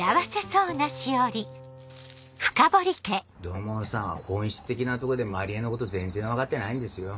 土門さんは本質的なとこで万里江のこと全然分かってないんですよ。